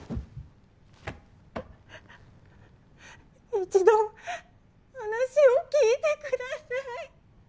一度話を聞いてください。